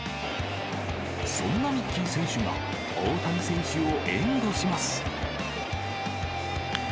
そんなミッキー選手が、大谷選手を援護します。